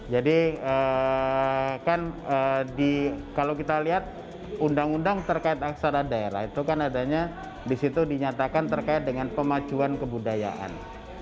jadi kalau kita lihat undang undang terkait aksara daerah itu kan adanya disitu dinyatakan terkait dengan pemajuan kebudayaan